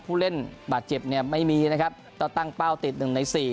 ผู้เล่นบาดเจ็บไม่มีนะครับแต่ตั้งเป้าติด๑ใน๔